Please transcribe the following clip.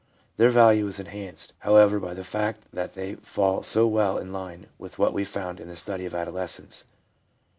Their value is enhanced, however, by the fact that they fall so well in line with what we found in the study of adolescence.